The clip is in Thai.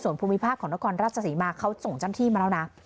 ส่วนภูมิภาคของนครราชศรีมาเขาส่งเจ้าหน้าที่มาแล้วนะ